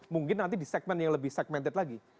mungkin nanti di segmen yang lebih segmented lagi